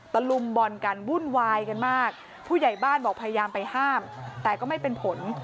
ลุมบอลกันวุ่นวายกันมากผู้ใหญ่บ้านบอกพยายามไปห้ามแต่ก็ไม่เป็นผล